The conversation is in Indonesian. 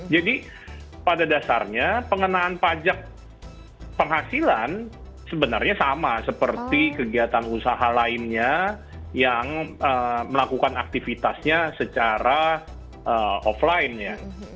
jadi pada dasarnya pengenaan pajak penghasilan sebenarnya sama seperti kegiatan usaha lainnya yang melakukan aktivitasnya secara offline ya